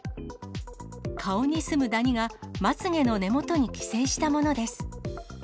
顔に住むダニがまつげの根元に寄生したものです。